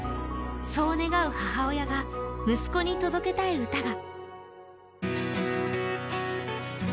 そう願う母親が息子に届けたい歌が。